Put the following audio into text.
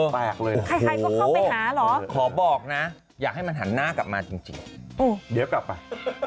แปลกเลยโอ้โหขอบอกนะอยากให้มันหันหน้ากลับมาจริงเดี๋ยวกลับไป